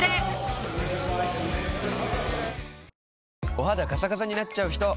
お肌カサカサになっちゃうひと？